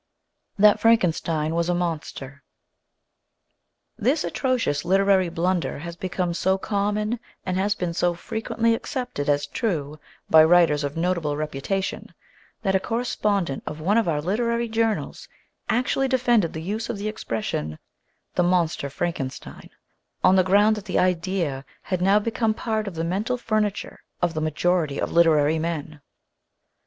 THAT FRANKENSTEIN WAS A MONSTER HIS atrocious literary blunder has become so common and has been so frequently accepted as true by writers of notable reputation that a correspondent of one of our literary journals actually defended the use of the expression, "the monster Frankenstein," on the ground that the idea had now become part of the mental furniture of the majority THAT FRANKENSTEIN WAS A MONSTER 217 of literary men!